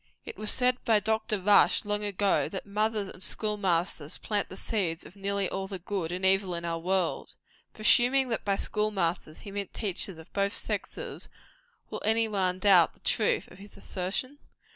It was said by Dr. Rush, long ago, that mothers and school masters plant the seeds of nearly all the good and evil in our world. Presuming that by school masters he meant teachers of both sexes, will any one doubt the truth of his assertion?